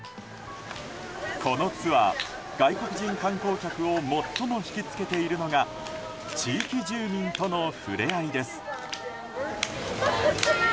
このツアー、外国人観光客を最も引き付けているのが地域住民との触れ合いです。